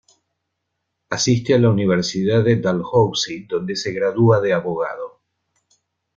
Asiste a la Universidad de Dalhousie, donde se gradúa de abogado.